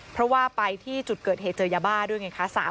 เพราะว่าไปที่จุดเกิดเหตุเจอยาบ้าด้วยไงคะ